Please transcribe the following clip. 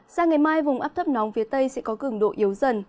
sang ngày mai vùng áp thấp nóng phía tây sẽ có cường độ yếu dần